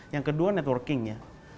yang kedua networking nya